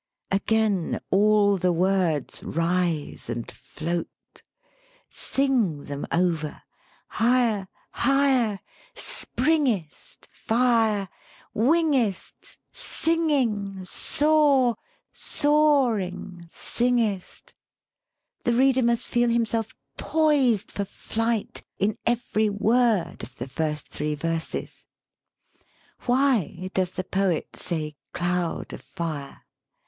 Again all the words rise and float. Sing them over : higher, higher, springest, fire, wingest, singing, soar, soaring, singest. The reader must feel himself poised for flight in every word of the first three verses. Why does the poet say cloud of fire